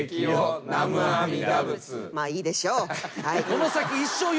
まあいいでしょう。